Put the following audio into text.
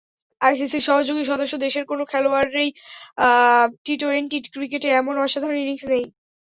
আইসিসির সহযোগী সদস্য দেশের কোনো খেলোয়াড়েরই টি-টোয়েন্টি ক্রিকেটে এমন অসাধারণ ইনিংস নেই।